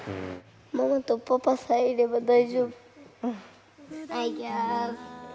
ママとパパさえいれば大丈夫。